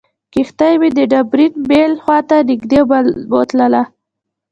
کښتۍ مې د ډبرین میل خواته نږدې بوتلله.